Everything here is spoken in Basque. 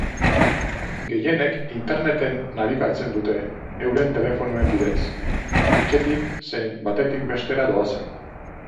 Gehienek interneten nabigatzen dute euren telefonoen bidez, etxetik zein batetik bestera doazela.